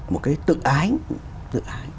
một cái tự ái